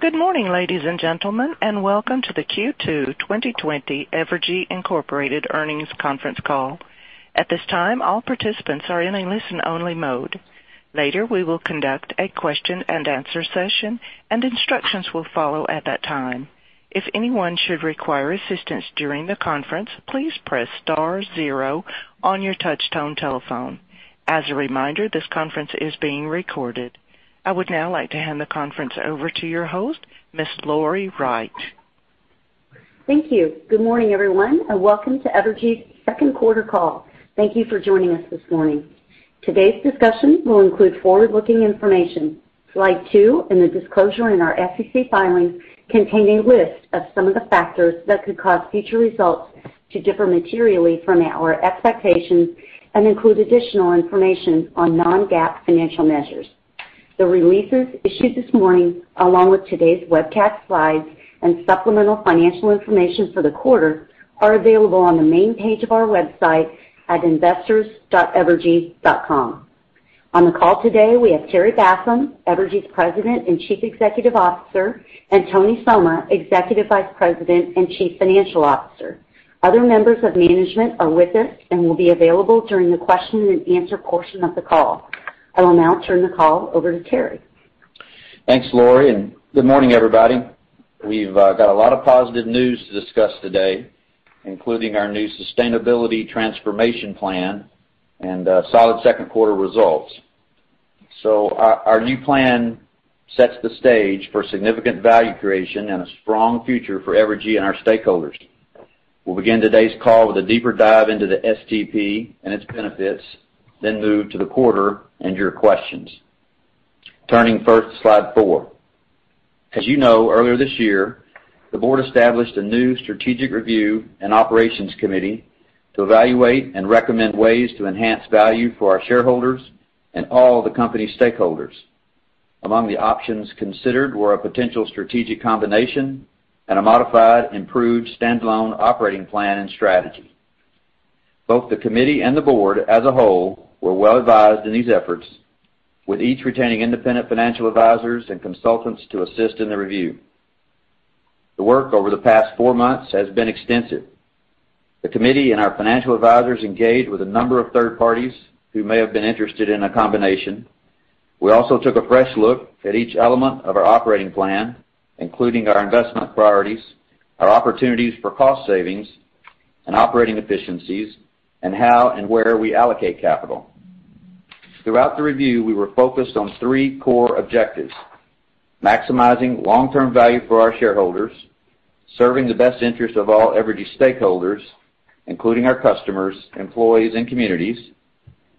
Good morning, ladies and gentlemen. Welcome to the Q2 2020 Evergy, Inc. earnings conference call. At this time, all participants are in a listen-only mode. Later, we will conduct a question and answer session. Instructions will follow at that time. If anyone should require assistance during the conference, please press star zero on your touch-tone telephone. As a reminder, this conference is being recorded. I would now like to hand the conference over to your host, Miss Lori Wright. Thank you. Good morning, everyone, and Welcome to Evergy's second quarter call. Thank you for joining us this morning. Today's discussion will include forward-looking information. Slide two and the disclosure in our SEC filings contain a list of some of the factors that could cause future results to differ materially from our expectations and include additional information on non-GAAP financial measures. The releases issued this morning, along with today's webcast slides and supplemental financial information for the quarter, are available on the main page of our website at investors.evergy.com. On the call today, we have Terry Bassham, Evergy's President and Chief Executive Officer, and Tony Somma, Executive Vice President and Chief Financial Officer. Other members of management are with us and will be available during the question and answer portion of the call. I will now turn the call over to Terry. Thanks, Lori, and good morning, everybody. We've got a lot of positive news to discuss today, including our new Sustainability Transformation Plan and solid second quarter results. Our new plan sets the stage for significant value creation and a strong future for Evergy and our stakeholders. We'll begin today's call with a deeper dive into the STP and its benefits, then move to the quarter and your questions. Turning first to slide four. As you know, earlier this year, the Board established a new Strategic Review & Operations Committee to evaluate and recommend ways to enhance value for our shareholders and all the company stakeholders. Among the options considered were a potential strategic combination and a modified, improved standalone operating plan and strategy. Both the committee and the board as a whole were well-advised in these efforts, with each retaining independent financial advisors and consultants to assist in the review. The work over the past four months has been extensive. The committee and our financial advisors engaged with a number of third parties who may have been interested in a combination. We also took a fresh look at each element of our operating plan, including our investment priorities, our opportunities for cost savings and operating efficiencies, and how and where we allocate capital. Throughout the review, we were focused on three core objectives: maximizing long-term value for our shareholders, serving the best interest of all Evergy stakeholders, including our customers, employees, and communities,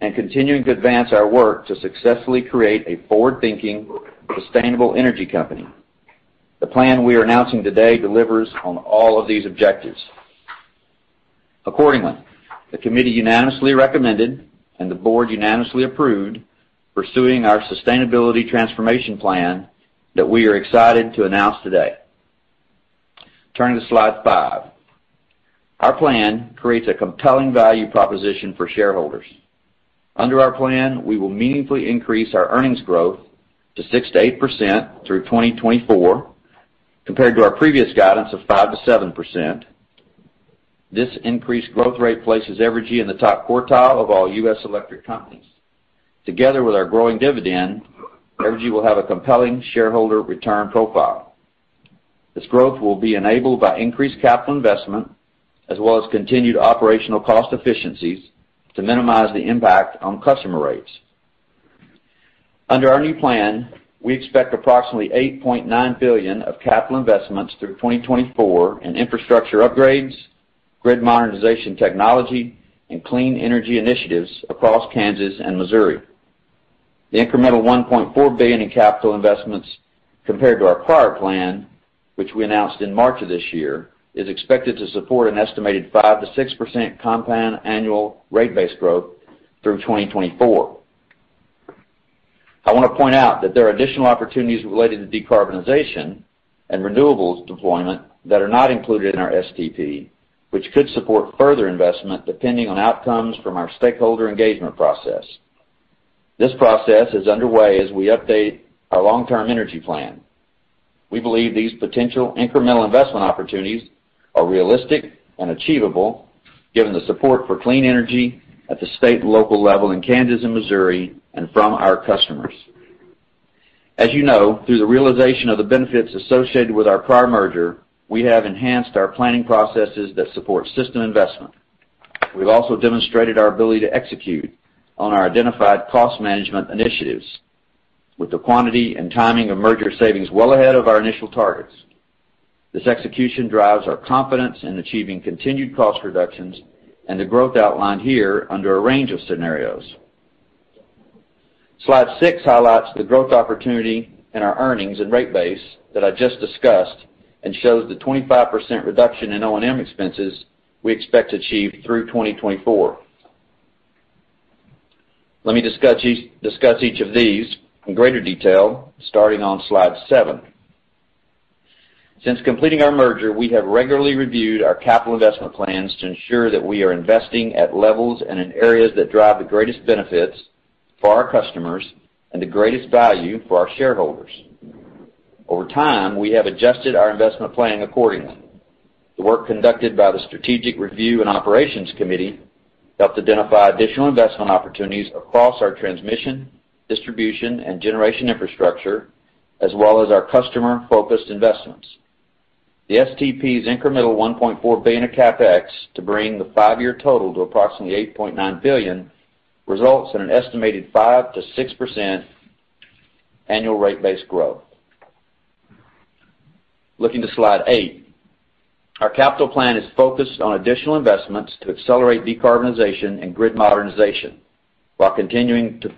and continuing to advance our work to successfully create a forward-thinking, sustainable energy company. The plan we are announcing today delivers on all of these objectives. Accordingly, the committee unanimously recommended, and the board unanimously approved, pursuing our Sustainability Transformation Plan that we are excited to announce today. Turning to slide five. Our plan creates a compelling value proposition for shareholders. Under our plan, we will meaningfully increase our earnings growth to 6%-8% through 2024, compared to our previous guidance of 5%-7%. This increased growth rate places Evergy in the top quartile of all U.S. electric companies. Together with our growing dividend, Evergy will have a compelling shareholder return profile. This growth will be enabled by increased capital investment, as well as continued operational cost efficiencies to minimize the impact on customer rates. Under our new plan, we expect approximately $8.9 billion of capital investments through 2024 in infrastructure upgrades, grid modernization technology, and clean energy initiatives across Kansas and Missouri. The incremental $1.4 billion in capital investments compared to our prior plan, which we announced in March of this year, is expected to support an estimated 5%-6% compound annual rate base growth through 2024. I want to point out that there are additional opportunities related to decarbonization and renewables deployment that are not included in our STP, which could support further investment depending on outcomes from our stakeholder engagement process. This process is underway as we update our long-term energy plan. We believe these potential incremental investment opportunities are realistic and achievable given the support for clean energy at the state and local level in Kansas and Missouri and from our customers. As you know, through the realization of the benefits associated with our prior merger, we have enhanced our planning processes that support system investment. We've also demonstrated our ability to execute on our identified cost management initiatives with the quantity and timing of merger savings well ahead of our initial targets. This execution drives our confidence in achieving continued cost reductions and the growth outlined here under a range of scenarios. Slide six highlights the growth opportunity in our earnings and rate base that I just discussed and shows the 25% reduction in O&M expenses we expect to achieve through 2024. Let me discuss each of these in greater detail starting on slide seven. Since completing our merger, we have regularly reviewed our capital investment plans to ensure that we are investing at levels and in areas that drive the greatest benefits for our customers and the greatest value for our shareholders. Over time, we have adjusted our investment planning accordingly. The work conducted by the Strategic Review & Operations Committee helped identify additional investment opportunities across our transmission, distribution, and generation infrastructure, as well as our customer-focused investments. The STP's incremental $1.4 billion of CapEx to bring the five-year total to approximately $8.9 billion results in an estimated 5%-6% annual rate base growth. Looking to slide eight. Our capital plan is focused on additional investments to accelerate decarbonization and grid modernization while continuing to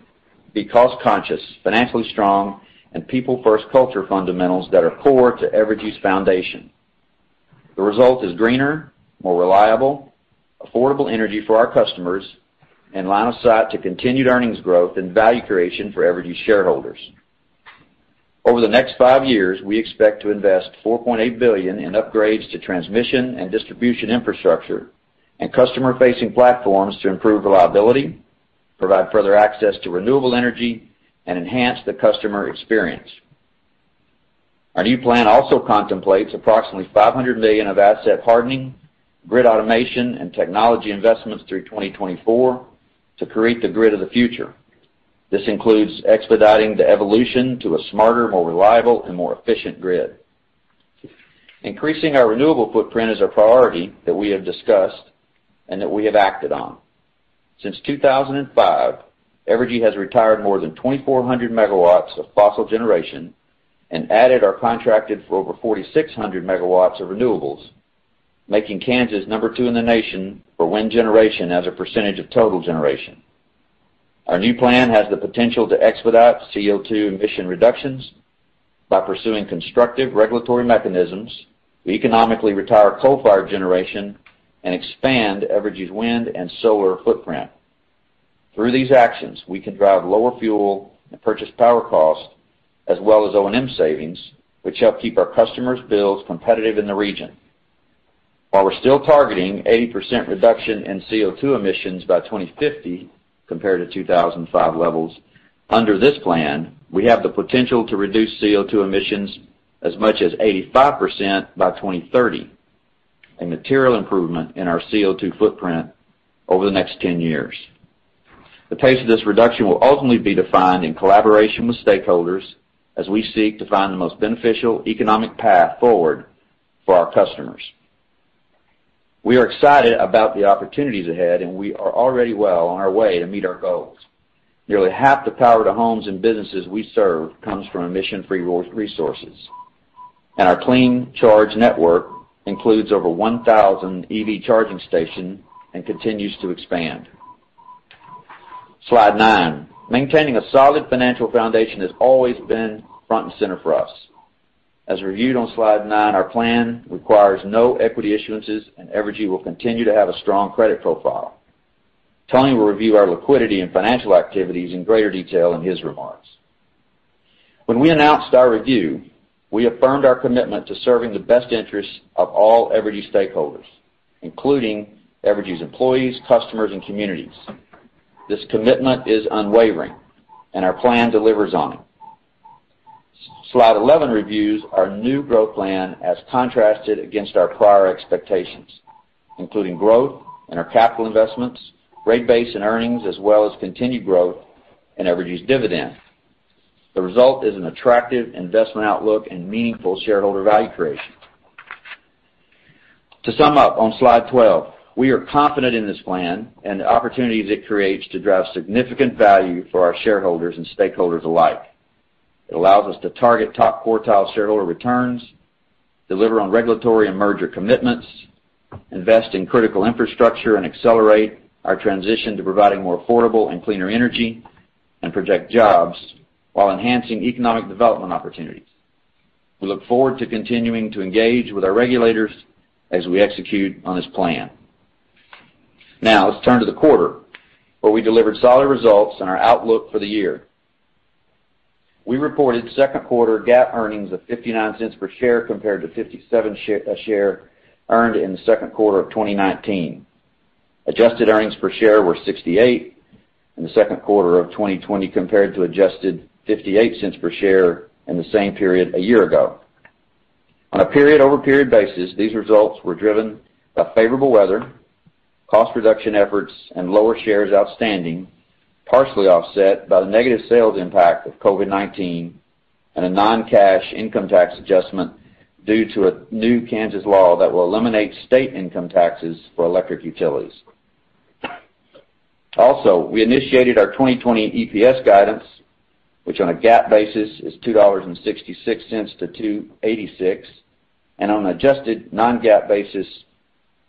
be cost-conscious, financially strong, and people-first culture fundamentals that are core to Evergy's foundation. The result is greener, more reliable, affordable energy for our customers and line of sight to continued earnings growth and value creation for Evergy shareholders. Over the next five years, we expect to invest $4.8 billion in upgrades to transmission and distribution infrastructure and customer-facing platforms to improve reliability, provide further access to renewable energy, and enhance the customer experience. Our new plan also contemplates approximately $500 million of asset hardening, grid automation, and technology investments through 2024 to create the grid of the future. This includes expediting the evolution to a smarter, more reliable, and more efficient grid. Increasing our renewable footprint is a priority that we have discussed and that we have acted on. Since 2005, Evergy has retired more than 2,400 MW of fossil generation and added or contracted for over 4,600 MW of renewables, making Kansas number two in the nation for wind generation as a percentage of total generation. Our new plan has the potential to expedite CO2 emission reductions by pursuing constructive regulatory mechanisms to economically retire coal-fired generation and expand Evergy's wind and solar footprint. Through these actions, we can drive lower fuel and purchase power cost, as well as O&M savings, which help keep our customers' bills competitive in the region. While we're still targeting 80% reduction in CO2 emissions by 2050 compared to 2005 levels, under this plan, we have the potential to reduce CO2 emissions as much as 85% by 2030, a material improvement in our CO2 footprint over the next 10 years. The pace of this reduction will ultimately be defined in collaboration with stakeholders as we seek to find the most beneficial economic path forward for our customers. We are excited about the opportunities ahead, and we are already well on our way to meet our goals. Nearly half the power to homes and businesses we serve comes from emission-free resources, and our Clean Charge Network includes over 1,000 EV charging stations and continues to expand. Slide nine. Maintaining a solid financial foundation has always been front and center for us. As reviewed on slide nine, our plan requires no equity issuances, and Evergy will continue to have a strong credit profile. Tony will review our liquidity and financial activities in greater detail in his remarks. When we announced our review, we affirmed our commitment to serving the best interests of all Evergy stakeholders, including Evergy's employees, customers, and communities. This commitment is unwavering, and our plan delivers on it. Slide 11 reviews our new growth plan as contrasted against our prior expectations, including growth in our capital investments, rate base, and earnings, as well as continued growth in Evergy's dividend. The result is an attractive investment outlook and meaningful shareholder value creation. To sum up on slide 12, we are confident in this plan and the opportunities it creates to drive significant value for our shareholders and stakeholders alike. It allows us to target top quartile shareholder returns, deliver on regulatory and merger commitments, invest in critical infrastructure, and accelerate our transition to providing more affordable and cleaner energy and project jobs while enhancing economic development opportunities. We look forward to continuing to engage with our regulators as we execute on this plan. Let's turn to the quarter, where we delivered solid results and our outlook for the year. We reported second quarter GAAP earnings of $0.59 per share compared to $0.57 per share earned in the second quarter of 2019. Adjusted earnings per share were $0.68 in the second quarter of 2020 compared to adjusted $0.58 per share in the same period a year ago. On a period-over-period basis, these results were driven by favorable weather, cost reduction efforts, and lower shares outstanding, partially offset by the negative sales impact of COVID-19 and a non-cash income tax adjustment due to a new Kansas law that will eliminate state income taxes for electric utilities. We initiated our 2020 EPS guidance, which on a GAAP basis is $2.66 to $2.86, and on an adjusted non-GAAP basis,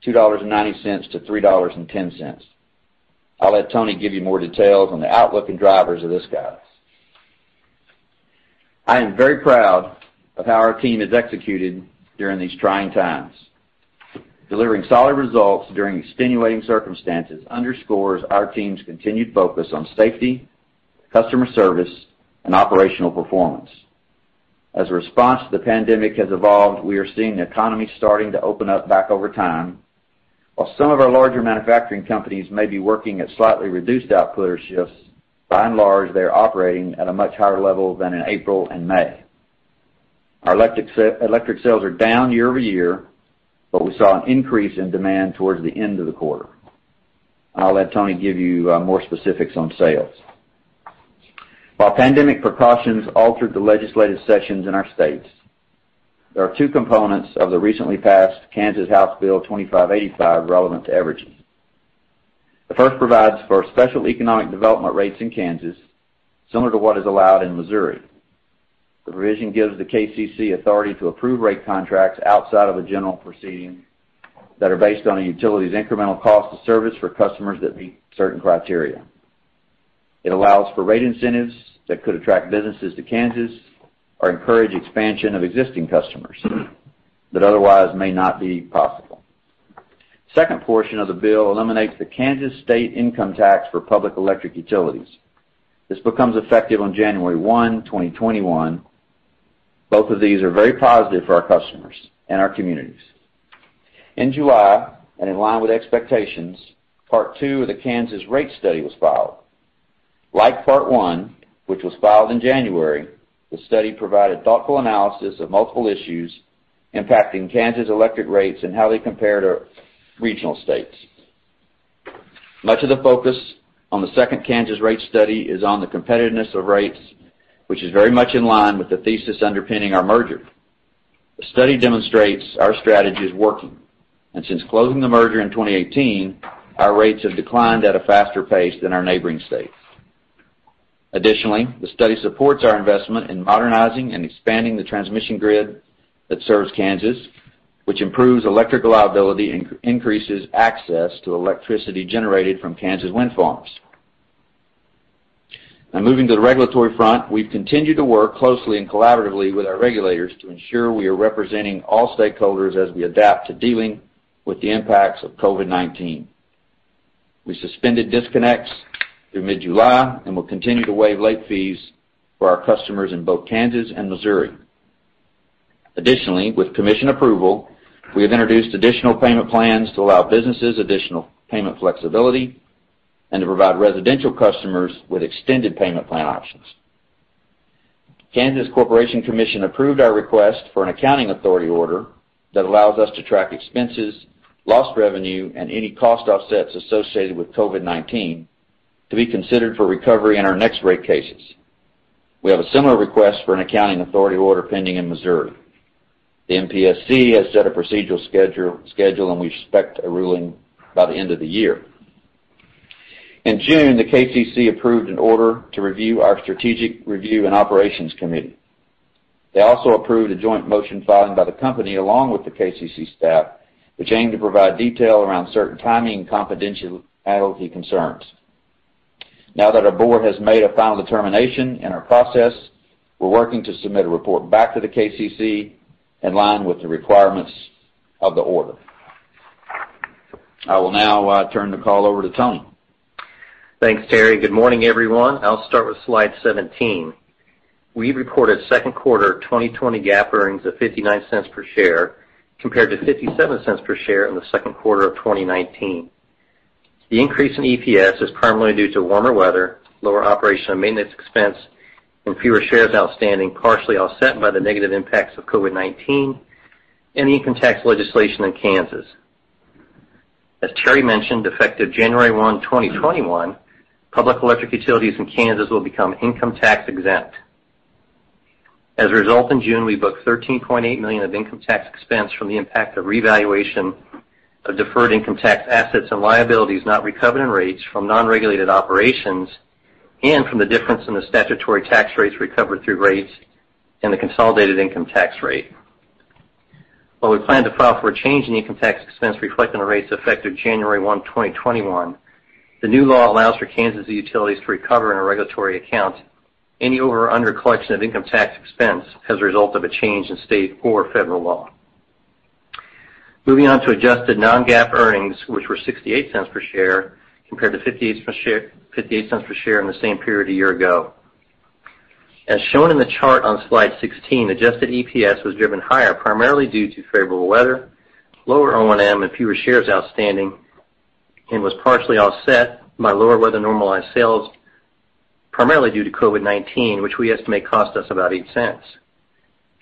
$2.90 to $3.10. I'll let Tony give you more details on the outlook and drivers of this guidance. I am very proud of how our team has executed during these trying times. Delivering solid results during extenuating circumstances underscores our team's continued focus on safety, customer service, and operational performance. A response to the pandemic has evolved, we are seeing the economy starting to open up back over time. While some of our larger manufacturing companies may be working at slightly reduced output or shifts, by and large, they are operating at a much higher level than in April and May. Our electric sales are down year-over-year, but we saw an increase in demand towards the end of the quarter. I'll let Tony give you more specifics on sales. While pandemic precautions altered the legislative sessions in our states, there are two components of the recently passed Kansas House Bill 2585 relevant to Evergy. The first provides for special economic development rates in Kansas, similar to what is allowed in Missouri. The provision gives the KCC authority to approve rate contracts outside of the general proceeding that are based on a utility's incremental cost of service for customers that meet certain criteria. It allows for rate incentives that could attract businesses to Kansas or encourage expansion of existing customers that otherwise may not be possible. Second portion of the bill eliminates the Kansas state income tax for public electric utilities. This becomes effective on January 1, 2021. Both of these are very positive for our customers and our communities. In July, in line with expectations, part 2 of the Kansas rate study was filed. Like part 1, which was filed in January, the study provided thoughtful analysis of multiple issues impacting Kansas electric rates and how they compare to regional states. Much of the focus on the second Kansas rate study is on the competitiveness of rates, which is very much in line with the thesis underpinning our merger. The study demonstrates our strategy is working, and since closing the merger in 2018, our rates have declined at a faster pace than our neighboring states. Additionally, the study supports our investment in modernizing and expanding the transmission grid that serves Kansas, which improves electrical reliability and increases access to electricity generated from Kansas wind farms. Now, moving to the regulatory front, we've continued to work closely and collaboratively with our regulators to ensure we are representing all stakeholders as we adapt to dealing with the impacts of COVID-19. We suspended disconnects through mid-July and will continue to waive late fees for our customers in both Kansas and Missouri. Additionally, with Commission approval, we have introduced additional payment plans to allow businesses additional payment flexibility and to provide residential customers with extended payment plan options. Kansas Corporation Commission approved our request for an accounting authority order that allows us to track expenses, lost revenue, and any cost offsets associated with COVID-19 to be considered for recovery in our next rate cases. We have a similar request for an accounting authority order pending in Missouri. The MPSC has set a procedural schedule, and we expect a ruling by the end of the year. In June, the KCC approved an order to review our Strategic Review & Operations Committee. They also approved a joint motion filing by the company along with the KCC staff, which aimed to provide detail around certain timing and confidentiality concerns. Now that our board has made a final determination in our process, we're working to submit a report back to the KCC in line with the requirements of the order. I will now turn the call over to Tony. Thanks, Terry. Good morning, everyone. I'll start with slide 17. We reported second quarter 2020 GAAP earnings of $0.59 per share, compared to $0.57 per share in the second quarter of 2019. The increase in EPS is primarily due to warmer weather, lower operational maintenance expense, and fewer shares outstanding, partially offset by the negative impacts of COVID-19 and the income tax legislation in Kansas. As Terry mentioned, effective January 1, 2021, public electric utilities in Kansas will become income tax exempt. As a result, in June, we booked $13.8 million of income tax expense from the impact of revaluation of deferred income tax assets and liabilities not recovered in rates from non-regulated operations and from the difference in the statutory tax rates recovered through rates and the consolidated income tax rate. While we plan to file for a change in income tax expense reflecting the rates effective January 1, 2021, the new law allows for Kansas utilities to recover in a regulatory account any over or under collection of income tax expense as a result of a change in state or federal law. Moving on to adjusted non-GAAP earnings, which were $0.68 per share compared to $0.58 per share in the same period a year ago. As shown in the chart on slide 16, adjusted EPS was driven higher, primarily due to favorable weather, lower O&M, and fewer shares outstanding, and was partially offset by lower weather-normalized sales, primarily due to COVID-19, which we estimate cost us about $0.08.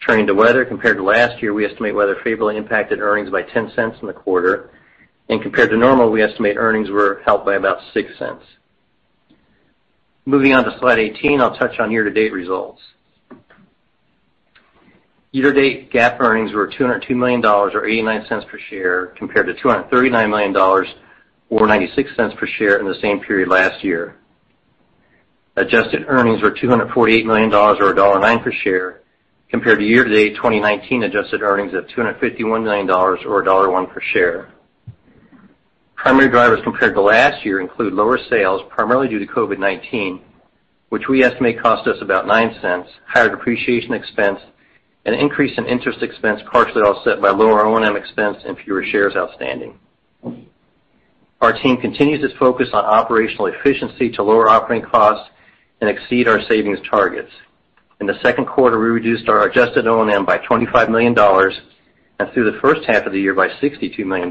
Turning to weather, compared to last year, we estimate weather favorably impacted earnings by $0.10 in the quarter. Compared to normal, we estimate earnings were helped by about $0.06. Moving on to slide 18, I'll touch on year-to-date results. Year-to-date GAAP earnings were $202 million, or $0.89 per share, compared to $239 million, or $0.96 per share in the same period last year. Adjusted earnings were $248 million or $1.09 per share compared to year-to-date 2019 adjusted earnings of $251 million or $1.01 per share. Primary drivers compared to last year include lower sales, primarily due to COVID-19, which we estimate cost us about $0.09, higher depreciation expense, an increase in interest expense partially offset by lower O&M expense and fewer shares outstanding. Our team continues its focus on operational efficiency to lower operating costs and exceed our savings targets. In the second quarter, we reduced our adjusted O&M by $25 million, and through the first half of the year, by $62 million.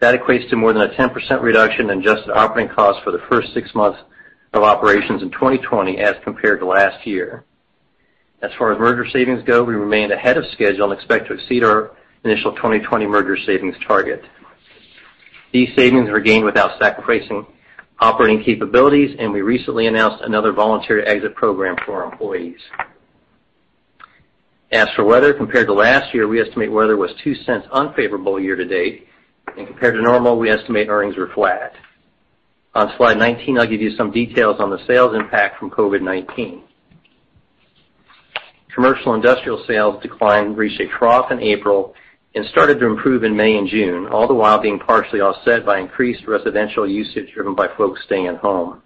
That equates to more than a 10% reduction in adjusted operating costs for the first six months of operations in 2020 as compared to last year. As far as merger savings go, we remain ahead of schedule and expect to exceed our initial 2020 merger savings target. These savings were gained without sacrificing operating capabilities, and we recently announced another voluntary exit program for our employees. As for weather compared to last year, we estimate weather was $0.02 unfavorable year-to-date. Compared to normal, we estimate earnings were flat. On slide 19, I'll give you some details on the sales impact from COVID-19. Commercial industrial sales decline reached a trough in April and started to improve in May and June, all the while being partially offset by increased residential usage driven by folks staying at home.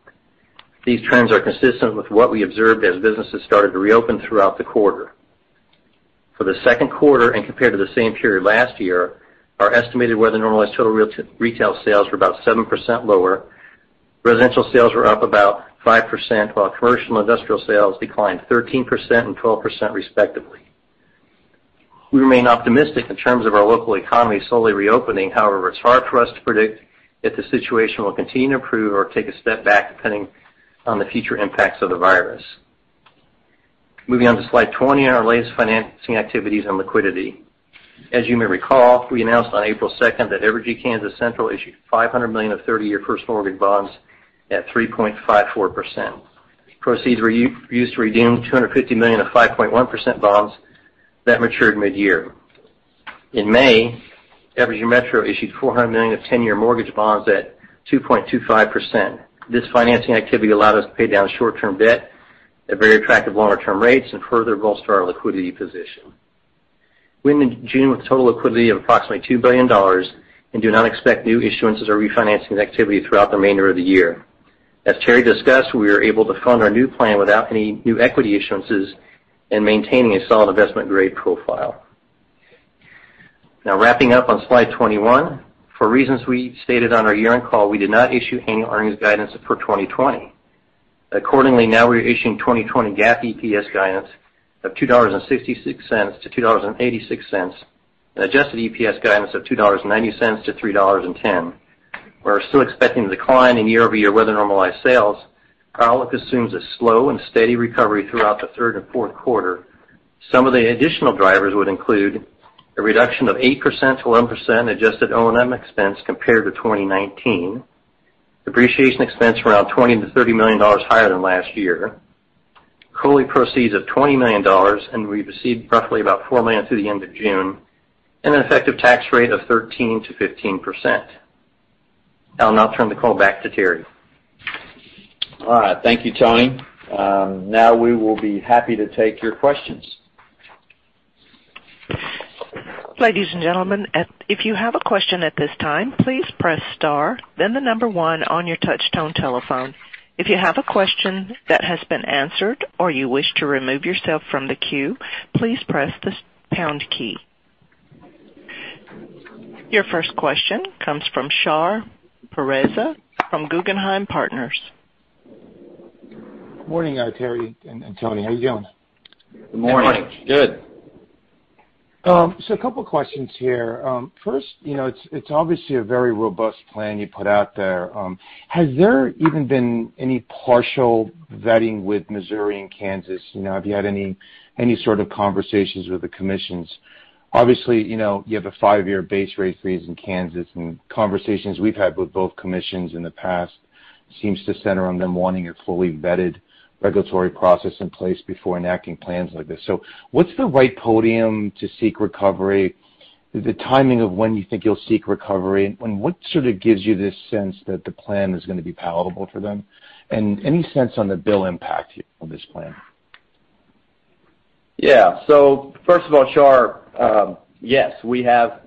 These trends are consistent with what we observed as businesses started to reopen throughout the quarter. For the second quarter and compared to the same period last year, our estimated weather-normalized total retail sales were about 7% lower. Residential sales were up about 5%, while commercial industrial sales declined 13% and 12% respectively. We remain optimistic in terms of our local economy slowly reopening. However, it's hard for us to predict if the situation will continue to improve or take a step back depending on the future impacts of the virus. Moving on to slide 20 on our latest financing activities and liquidity. As you may recall, we announced on April 2nd that Evergy Kansas Central issued $500 million of 30-year first-mortgage bonds at 3.54%. Proceeds were used to redeem $250 million of 5.1% bonds that matured mid-year. In May, Evergy Metro issued $400 million of 10-year mortgage bonds at 2.25%. This financing activity allowed us to pay down short-term debt at very attractive longer-term rates and further bolster our liquidity position. We ended June with a total liquidity of approximately $2 billion and do not expect new issuances or refinancing activity throughout the remainder of the year. As Terry discussed, we are able to fund our new plan without any new equity issuances and maintaining a solid investment-grade profile. Wrapping up on slide 21. For reasons we stated on our year-end call, we did not issue any earnings guidance for 2020. Accordingly, now we are issuing 2020 GAAP EPS guidance of $2.66-$2.86 and adjusted EPS guidance of $2.90-$3.10. We're still expecting a decline in year-over-year weather-normalized sales. Our outlook assumes a slow and steady recovery throughout the third and fourth quarter. Some of the additional drivers would include a reduction of 8%-11% adjusted O&M expense compared to 2019, depreciation expense around $20 million-$30 million higher than last year, COLI proceeds of $20 million, and we've received roughly about $4 million through the end of June, and an effective tax rate of 13%-15%. I'll now turn the call back to Terry. All right. Thank you, Tony. Now we will be happy to take your questions. Ladies and gentlemen, if you have a question at this time, please press star, then the number one on your touch-tone telephone. If you have a question that has been answered or you wish to remove yourself from the queue, please press the pound key. Your first question comes from Shar Pourreza from Guggenheim Partners. Morning, Terry and Tony. How you doing? Good morning. Good morning. Good. A couple of questions here. First, it's obviously a very robust plan you put out there. Has there even been any partial vetting with Missouri and Kansas? Have you had any sort of conversations with the commissions? Obviously, you have a five-year base rate freeze in Kansas, and conversations we've had with both commissions in the past seems to center on them wanting a fully vetted regulatory process in place before enacting plans like this. What's the right podium to seek recovery? The timing of when you think you'll seek recovery, and what sort of gives you this sense that the plan is going to be palatable for them? Any sense on the bill impact on this plan? First of all, Shar, yes, we have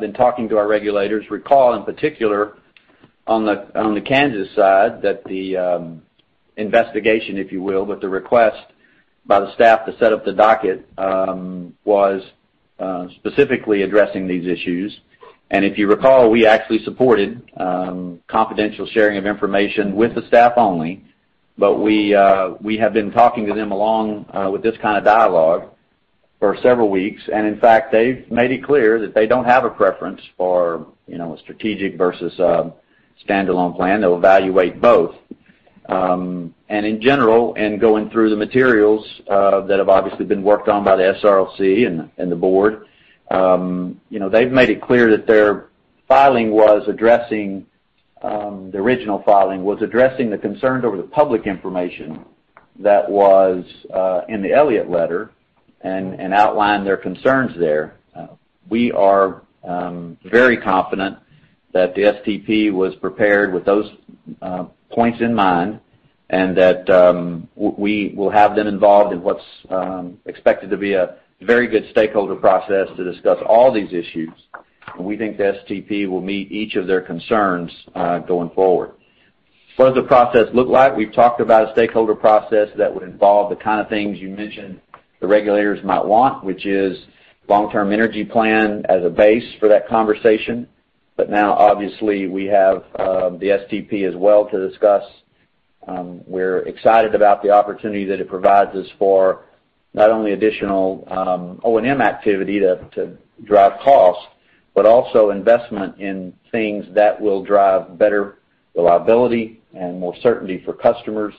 been talking to our regulators. Recall, in particular on the Kansas side, that the investigation, if you will, but the request by the staff to set up the docket, was specifically addressing these issues. If you recall, we actually supported confidential sharing of information with the staff only. We have been talking to them along with this kind of dialogue for several weeks. In fact, they've made it clear that they don't have a preference for a strategic versus a stand-alone plan. They'll evaluate both. In general, in going through the materials that have obviously been worked on by the SROC and the board, they've made it clear that their filing was addressing, the original filing was addressing the concerns over the public information that was in the Elliott letter and outlined their concerns there. We are very confident that the STP was prepared with those points in mind. That we will have them involved in what's expected to be a very good stakeholder process to discuss all these issues. We think the STP will meet each of their concerns going forward. What does the process look like? We've talked about a stakeholder process that would involve the kind of things you mentioned the regulators might want, which is long-term energy plan as a base for that conversation. Now obviously we have the STP as well to discuss. We're excited about the opportunity that it provides us for not only additional O&M activity to drive costs, but also investment in things that will drive better reliability and more certainty for customers,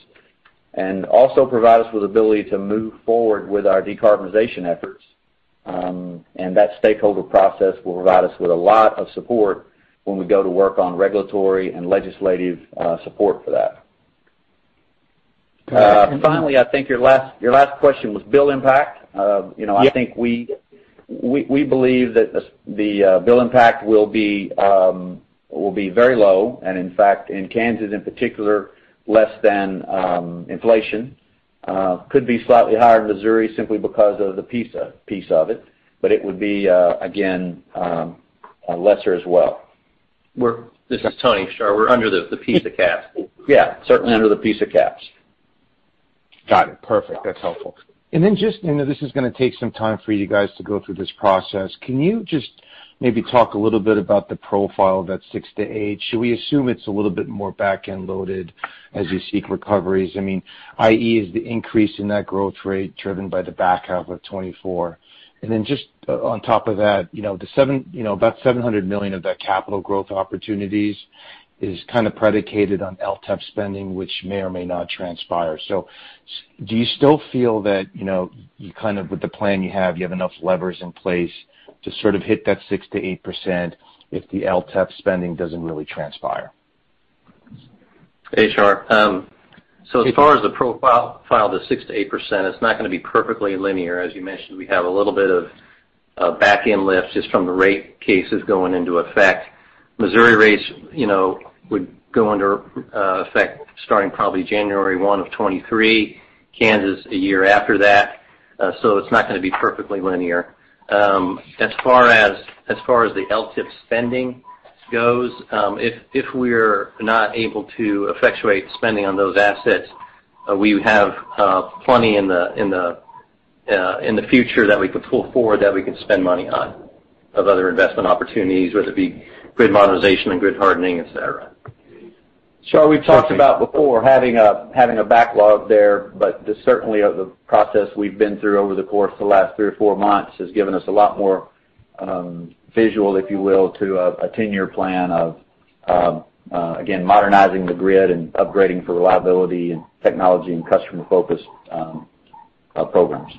and also provide us with ability to move forward with our decarbonization efforts. That stakeholder process will provide us with a lot of support when we go to work on regulatory and legislative support for that. Finally, I think your last question was bill impact. Yes. I think we believe that the bill impact will be very low, and in fact, in Kansas in particular, less than inflation. Could be slightly higher in Missouri simply because of the PISA piece of it, but it would be, again, lesser as well. This is Tony. Sure. We're under the PISA caps. Yeah, certainly under the PISA caps. Got it. Perfect. That's helpful. Then just, I know this is going to take some time for you guys to go through this process. Can you just maybe talk a little bit about the profile of that 6%-8%? Should we assume it's a little bit more back-end loaded as you seek recoveries? I mean, i.e., is the increase in that growth rate driven by the back half of 2024? Just on top of that, about $700 million of that capital growth opportunities is kind of predicated on LTEP spending, which may or may not transpire. Do you still feel that, with the plan you have, you have enough levers in place to sort of hit that 6%-8% if the LTEP spending doesn't really transpire? Hey, Shar. As far as the profile, the 6%-8%, it's not going to be perfectly linear. As you mentioned, we have a little bit of back-end lift just from the rate cases going into effect. Missouri rates would go into effect starting probably January 1 of 2023, Kansas a year after that. It's not going to be perfectly linear. As far as the LTEP spending goes, if we're not able to effectuate spending on those assets, we have plenty in the future that we could pull forward that we could spend money on of other investment opportunities, whether it be grid modernization or grid hardening, et cetera. Shar, we've talked about before having a backlog there, but certainly the process we've been through over the course of the last three or four months has given us a lot more visual, if you will, to a 10-year plan of again, modernizing the grid and upgrading for reliability and technology and customer-focused programs.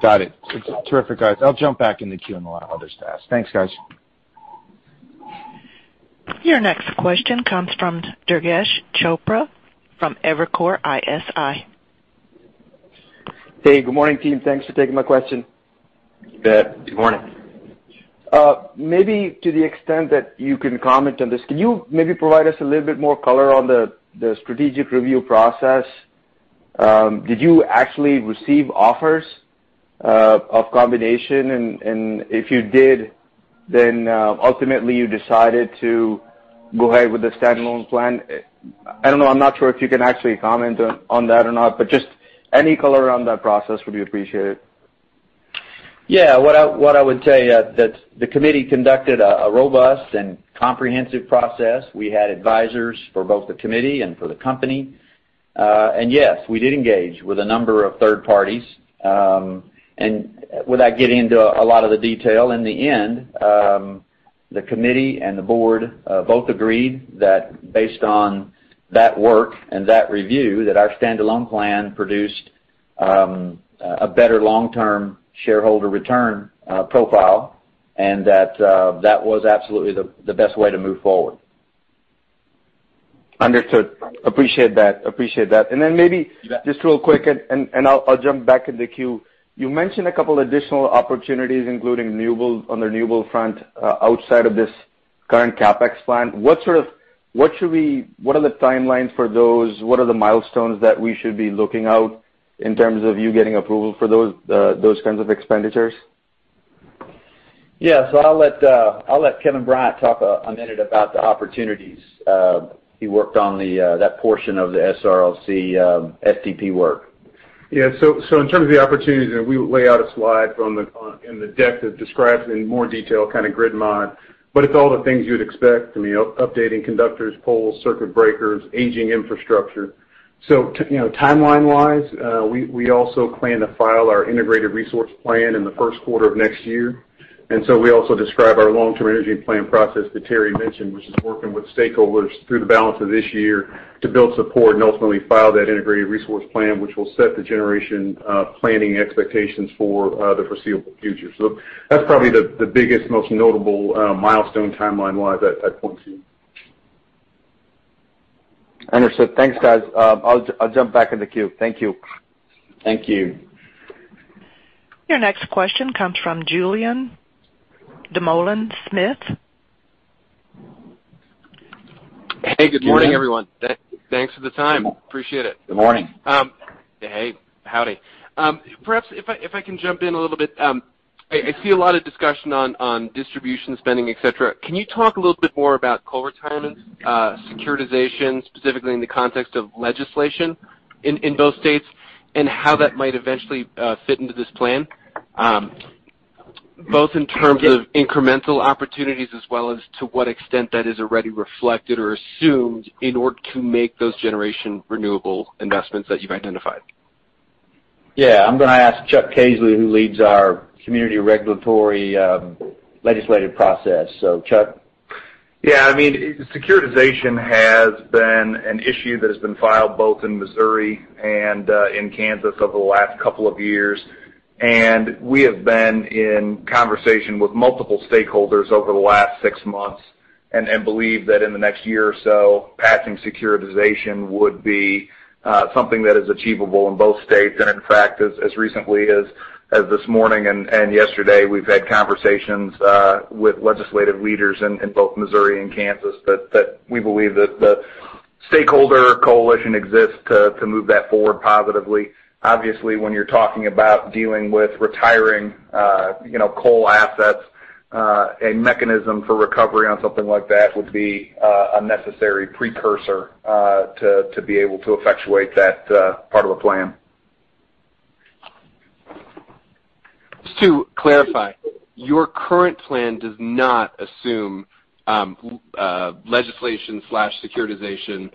Got it. Terrific, guys. I'll jump back in the queue and allow others to ask. Thanks, guys. Your next question comes from Durgesh Chopra from Evercore ISI. Hey, good morning, team. Thanks for taking my question. You bet. Good morning. Maybe to the extent that you can comment on this, can you maybe provide us a little bit more color on the strategic review process? Did you actually receive offers of combination? If you did, ultimately you decided to go ahead with the standalone plan. I don't know. I'm not sure if you can actually comment on that or not, just any color on that process would be appreciated. What I would say, that the committee conducted a robust and comprehensive process. We had advisors for both the committee and for the company. Yes, we did engage with a number of third parties. Without getting into a lot of the detail, in the end, the committee and the board both agreed that based on that work and that review, that our standalone plan produced a better long-term shareholder return profile, and that was absolutely the best way to move forward. Understood. Appreciate that. Maybe just real quick, I'll jump back in the queue. You mentioned a couple additional opportunities, including on the renewable front, outside of this current CapEx plan. What are the timelines for those? What are the milestones that we should be looking out in terms of you getting approval for those kinds of expenditures? Yeah. I'll let Kevin Bryant talk a minute about the opportunities. He worked on that portion of the SROC STP work. Yeah. In terms of the opportunities, and we lay out a slide in the deck that describes in more detail kind of grid mod, but it's all the things you would expect. I mean, updating conductors, poles, circuit breakers, aging infrastructure. Timeline-wise, we also plan to file our integrated resource plan in the first quarter of next year. We also describe our long-term energy plan process that Terry mentioned, which is working with stakeholders through the balance of this year to build support and ultimately file that integrated resource plan, which will set the generation planning expectations for the foreseeable future. That's probably the biggest, most notable milestone timeline-wise I'd point to. Understood. Thanks, guys. I'll jump back in the queue. Thank you. Thank you. Your next question comes from Julien Dumoulin-Smith. Hey, good morning, everyone. Thanks for the time. Appreciate it. Good morning. Hey. Howdy. Perhaps if I can jump in a little bit. I see a lot of discussion on distribution spending, et cetera. Can you talk a little bit more about coal retirement securitization, specifically in the context of legislation in both states, and how that might eventually fit into this plan, both in terms of incremental opportunities as well as to what extent that is already reflected or assumed in order to make those generation renewable investments that you've identified? Yeah, I'm going to ask Chuck Caisley, who leads our community regulatory legislative process. Chuck? Securitization has been an issue that has been filed both in Missouri and in Kansas over the last couple of years. We have been in conversation with multiple stakeholders over the last six months, and believe that in the next year or so, passing securitization would be something that is achievable in both states. In fact, as recently as this morning and yesterday, we've had conversations with legislative leaders in both Missouri and Kansas that we believe that the stakeholder coalition exists to move that forward positively. Obviously, when you're talking about dealing with retiring coal assets, a mechanism for recovery on something like that would be a necessary precursor to be able to effectuate that part of the plan. Just to clarify, your current plan does not assume legislation/securitization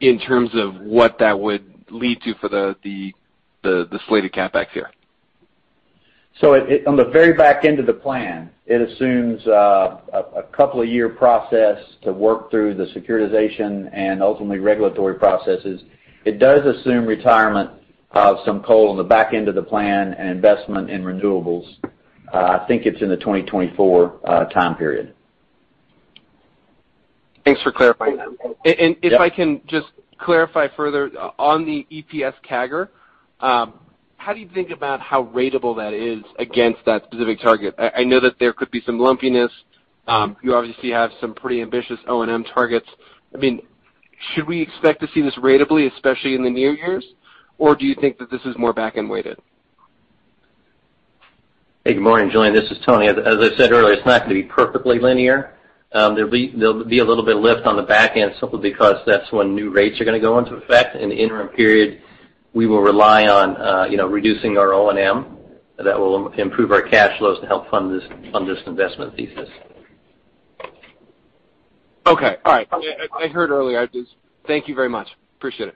in terms of what that would lead to for the slated CapEx here. On the very back end of the plan, it assumes a couple of year process to work through the securitization and ultimately regulatory processes. It does assume retirement of some coal on the back end of the plan and investment in renewables. I think it's in the 2024 time period. Thanks for clarifying that. Yep. If I can just clarify further on the EPS CAGR, how do you think about how ratable that is against that specific target? I know that there could be some lumpiness. You obviously have some pretty ambitious O&M targets. Should we expect to see this ratably, especially in the near years, or do you think that this is more back-end weighted? Hey, good morning, Julien. This is Tony. As I said earlier, it's not going to be perfectly linear. There will be a little bit of lift on the back end simply because that's when new rates are going to go into effect. In the interim period, we will rely on reducing our O&M. That will improve our cash flows to help fund this investment thesis. Okay. All right. I heard earlier. Thank you very much. Appreciate it.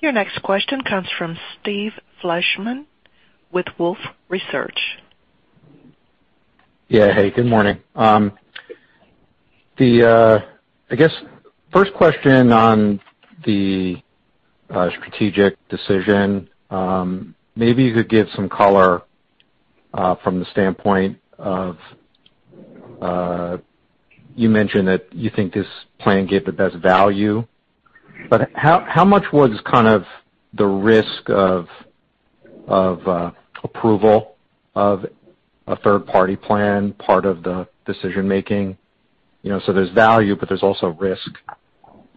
Your next question comes from Steve Fleishman with Wolfe Research. Yeah. Hey, good morning. I guess, first question on the strategic decision. Maybe you could give some color from the standpoint of, you mentioned that you think this plan gave the best value. How much was the risk of approval of a third-party plan part of the decision making? There's value, but there's also risk.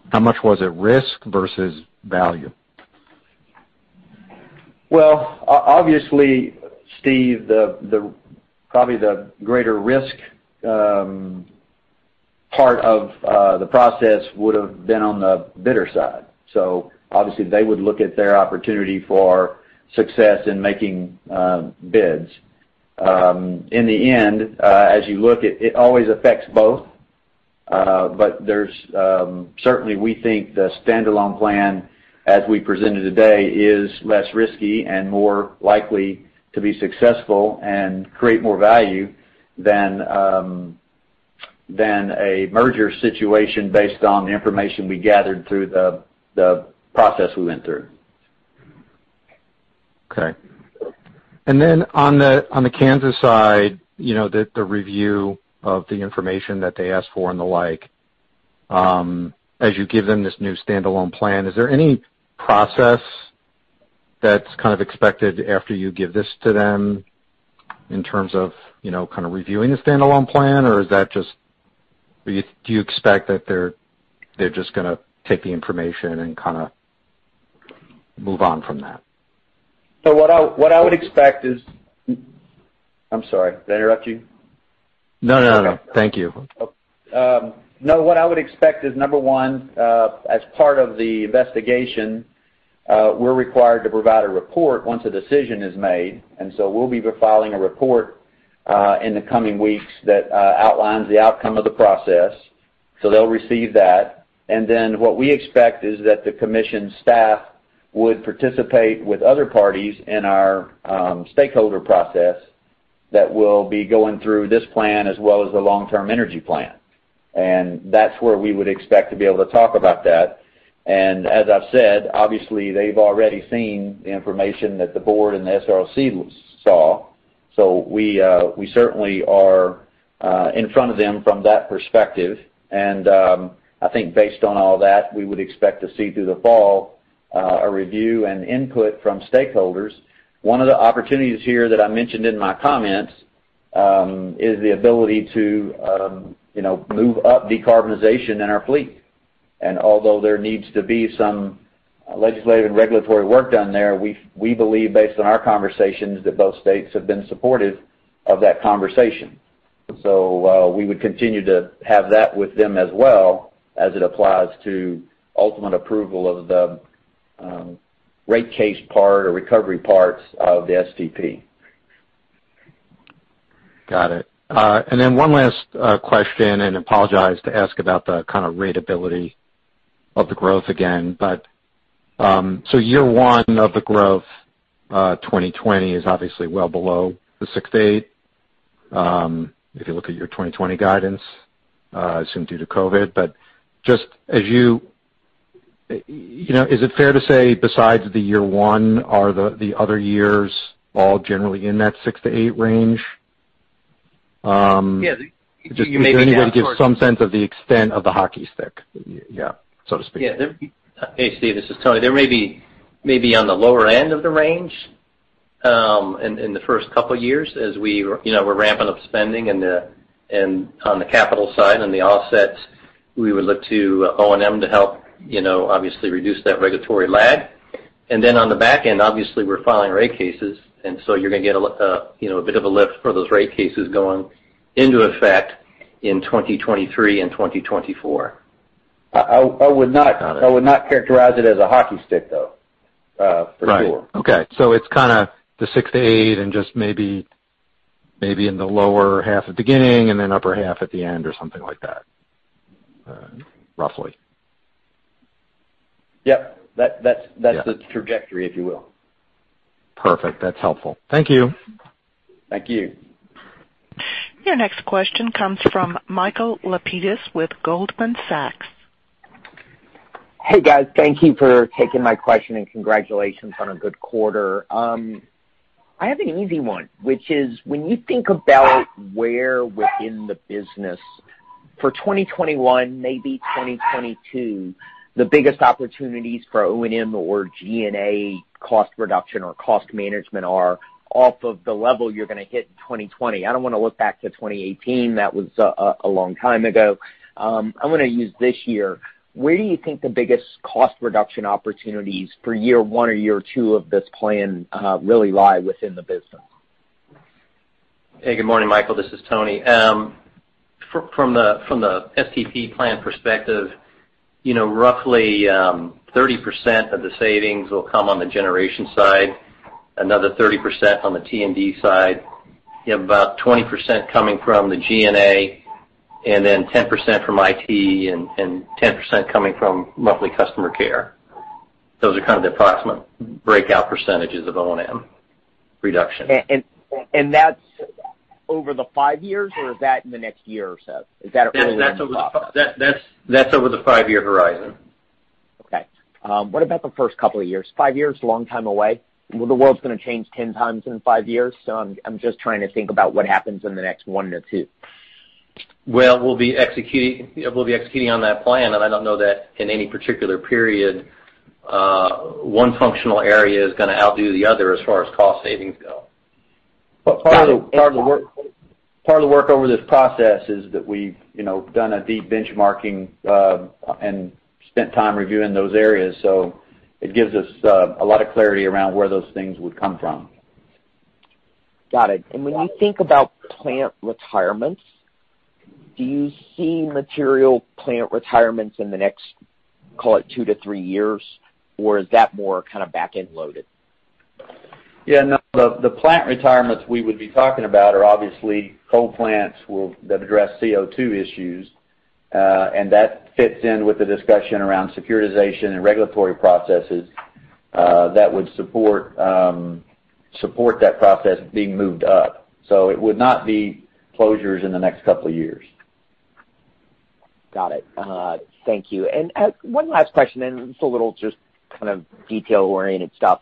How much was it risk versus value? Well, obviously, Steve, probably the greater risk part of the process would've been on the bidder side. Obviously they would look at their opportunity for success in making bids. In the end, as you look, it always affects both. Certainly, we think the standalone plan, as we presented today, is less risky and more likely to be successful and create more value than a merger situation based on the information we gathered through the process we went through. Okay. On the Kansas side, the review of the information that they asked for and the like, as you give them this new standalone plan, is there any process that's expected after you give this to them in terms of reviewing the standalone plan, or do you expect that they're just going to take the information and move on from that? I'm sorry, did I interrupt you? No. Thank you. No. What I would expect is, number one, as part of the investigation, we're required to provide a report once a decision is made. We'll be filing a report in the coming weeks that outlines the outcome of the process. They'll receive that. What we expect is that the commission staff would participate with other parties in our stakeholder process that will be going through this plan as well as the long-term energy plan. That's where we would expect to be able to talk about that. As I've said, obviously, they've already seen the information that the board and the SROC saw. So we certainly are in front of them from that perspective. I think based on all that, we would expect to see through the fall a review and input from stakeholders. One of the opportunities here that I mentioned in my comments, is the ability to move up decarbonization in our fleet. Although there needs to be some legislative and regulatory work done there, we believe, based on our conversations, that both states have been supportive of that conversation. We would continue to have that with them as well as it applies to ultimate approval of the rate case part or recovery parts of the STP. Got it. I apologize to ask about the kind of ratability of the growth again. Year one of the growth, 2020, is obviously well below the 6%-8%, if you look at your 2020 guidance, assumed due to COVID-19. Is it fair to say besides the year one, are the other years all generally in that 6%-8% range? Yeah. You can maybe. Just anything that gives some sense of the extent of the hockey stick. Yeah. To speak. Yeah. Hey, Steve, this is Tony. They may be on the lower end of the range in the first couple of years as we're ramping up spending on the capital side and the offsets, we would look to O&M to help obviously reduce that regulatory lag. Then on the back end, obviously, we're filing rate cases, and so you're going to get a bit of a lift for those rate cases going into effect in 2023 and 2024. I would not characterize it as a hockey stick, though, for sure. Right. Okay. It's kind of the 6%-8% and just maybe in the lower half at the beginning and then upper half at the end or something like that. Roughly. Yep. That's the trajectory, if you will. Perfect. That's helpful. Thank you. Thank you. Your next question comes from Michael Lapides with Goldman Sachs. Hey, guys. Thank you for taking my question, and congratulations on a good quarter. I have an easy one, which is when you think about where within the business for 2021, maybe 2022, the biggest opportunities for O&M or G&A cost reduction or cost management are off of the level you're going to hit in 2020. I don't want to look back to 2018. That was a long time ago. I want to use this year. Where do you think the biggest cost reduction opportunities for year one or year two of this plan really lie within the business? Hey, good morning, Michael. This is Tony. From the STP plan perspective, roughly 30% of the savings will come on the generation side, another 30% on the T&D side. You have about 20% coming from the G&A, and then 10% from IT, and 10% coming from roughly customer care. Those are kind of the approximate breakout percentages of O&M reduction. That's over the five years, or is that in the next year or so? Is that a rolling process? That's over the five-year horizon. Okay. What about the first couple of years? Five years is a long time away. Well, the world's going to change 10 times in five years, so I'm just trying to think about what happens in the next one to two. We'll be executing on that plan, and I don't know that in any particular period, one functional area is going to outdo the other as far as cost savings go. Part of the work over this process is that we've done a deep benchmarking and spent time reviewing those areas. It gives us a lot of clarity around where those things would come from. Got it. When you think about plant retirements, do you see material plant retirements in the next, call it two to three years, or is that more kind of back-end loaded? Yeah, no. The plant retirements we would be talking about are obviously coal plants that address CO2 issues. That fits in with the discussion around securitization and regulatory processes that would support that process being moved up. It would not be closures in the next couple of years. Got it. Thank you. One last question, and it's a little just kind of detail-oriented stuff.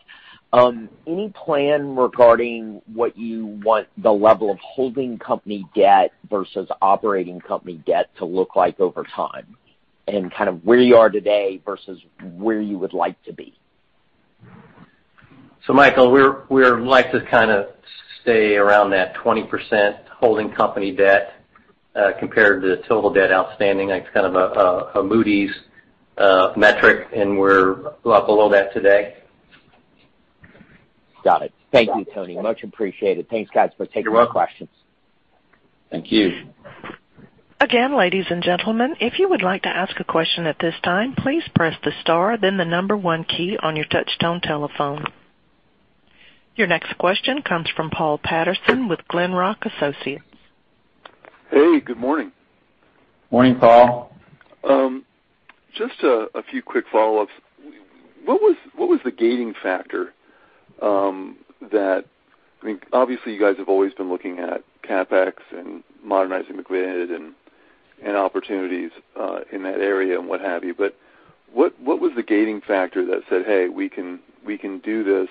Any plan regarding what you want the level of holding company debt versus operating company debt to look like over time and kind of where you are today versus where you would like to be? Michael, we'd like to kind of stay around that 20% holding company debt compared to total debt outstanding. It's kind of a Moody's metric, and we're well below that today. Got it. Thank you, Tony. Much appreciated. Thanks, guys, for taking the questions. You're welcome. Thank you. Ladies and gentlemen, if you would like to ask a question at this time, please press the star, then the number one key on your touchtone telephone. Your next question comes from Paul Patterson with Glenrock Associates. Hey, good morning. Morning, Paul. Just a few quick follow-ups. What was the gating factor that, I mean, obviously, you guys have always been looking at CapEx and modernizing the grid and opportunities in that area and what have you. What was the gating factor that said, "Hey, we can do this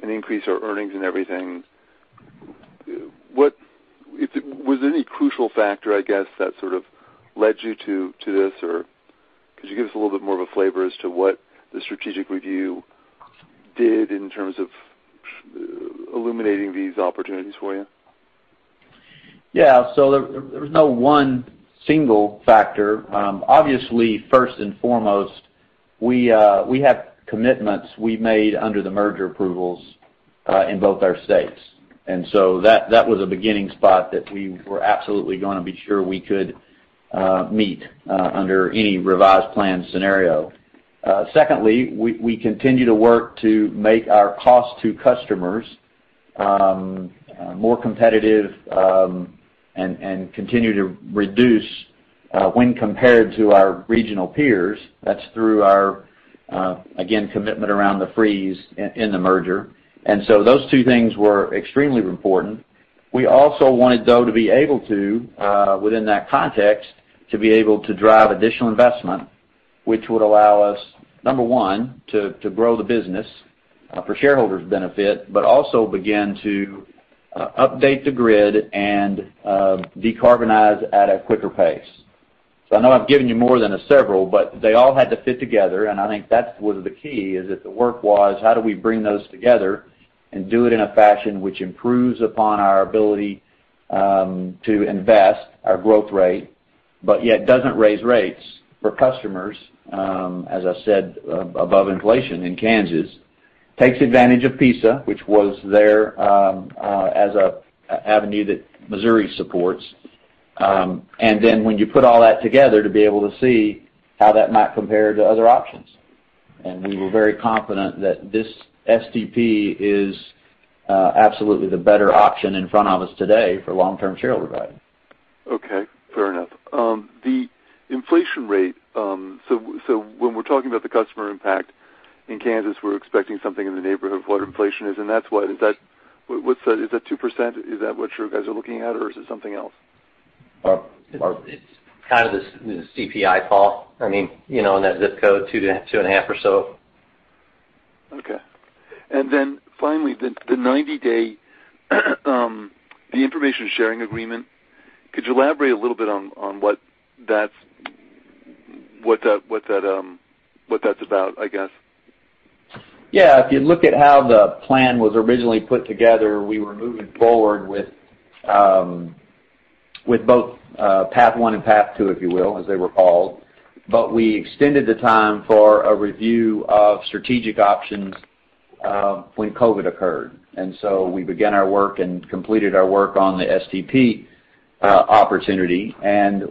and increase our earnings and everything"? Was there any crucial factor, I guess, that sort of led you to this? Could you give us a little bit more of a flavor as to what the strategic review did in terms of illuminating these opportunities for you? Yeah. There was no one single factor. Obviously, first and foremost, we have commitments we made under the merger approvals, in both our states. That was a beginning spot that we were absolutely going to be sure we could meet under any revised plan scenario. Secondly, we continue to work to make our cost to customers more competitive and continue to reduce when compared to our regional peers. That's through our, again, commitment around the freeze in the merger. Those two things were extremely important. We also wanted, though, to be able to, within that context, to be able to drive additional investment, which would allow us, number one, to grow the business for shareholders' benefit, but also begin to update the grid and decarbonize at a quicker pace. I know I've given you more than several, but they all had to fit together, and I think that was the key, is that the work was how do we bring those together and do it in a fashion which improves upon our ability to invest our growth rate, but yet doesn't raise rates for customers, as I said, above inflation in Kansas. Takes advantage of PISA, which was there as an avenue that Missouri supports. Then when you put all that together, to be able to see how that might compare to other options. We were very confident that this STP is absolutely the better option in front of us today for long-term shareholder value. Okay. Fair enough. The inflation rate, when we're talking about the customer impact in Kansas, we're expecting something in the neighborhood of what inflation is, and that's what. Is that 2%? Is that what you guys are looking at, or is it something else? Mark? It's kind of the CPI, Paul. In that ZIP code, two and a half or so. Okay. Finally, the 90-day the information sharing agreement. Could you elaborate a little bit on what that's about, I guess? Yeah. If you look at how the plan was originally put together, we were moving forward with both Path One and Path Two, if you will, as they were called. We extended the time for a review of strategic options when COVID occurred. We began our work and completed our work on the STP opportunity.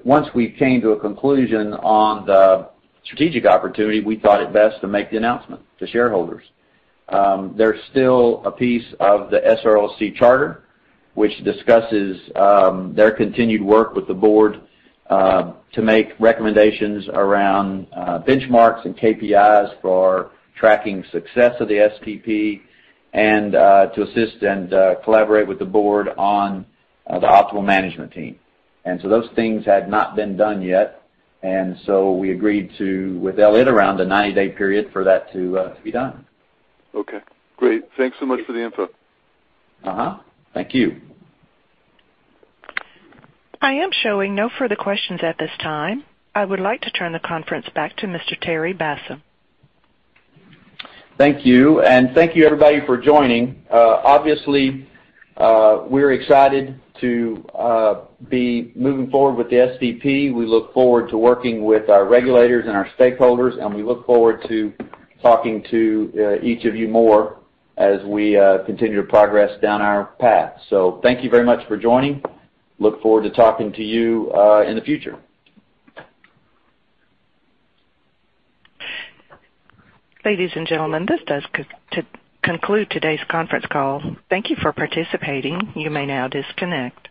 Once we came to a conclusion on the strategic opportunity, we thought it best to make the announcement to shareholders. There's still a piece of the SROC charter which discusses their continued work with the board to make recommendations around benchmarks and KPIs for tracking success of the STP and to assist and collaborate with the board on the optimal management team. Those things had not been done yet. We agreed to, with Elliott., around a 90-day period for that to be done. Okay, great. Thanks so much for the info. Thank you. I am showing no further questions at this time. I would like to turn the conference back to Mr. Terry Bassham. Thank you, and thank you, everybody, for joining. Obviously, we're excited to be moving forward with the STP. We look forward to working with our regulators and our stakeholders, and we look forward to talking to each of you more as we continue to progress down our path. Thank you very much for joining. Look forward to talking to you in the future. Ladies and gentlemen, this does conclude today's conference call. Thank you for participating. You may now disconnect.